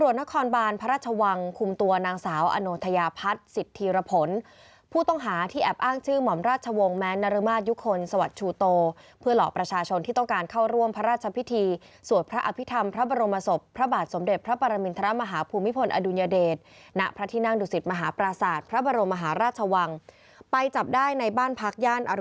โดยตำรวจได้เบาะแสมาจาก